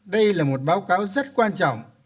đây là một báo cáo rất quan trọng